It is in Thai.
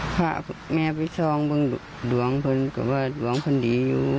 พาแม่ไปสร้องเพื่อนดวงเพื่อนก็ว่าดวงคนดีอยู่